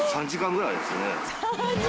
３時間ぐらいですね。